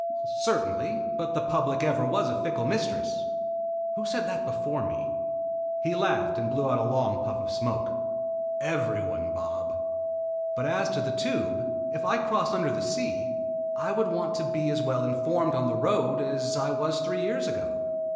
"Certainly but the public ever was a fickle mistress. Who said that before me?" He laughed and blew out a long puff of smoke. "Everyone, Bob." "But as to the Tube, if I cross under the sea, I would want to be as well informed on the road as I was three years ago.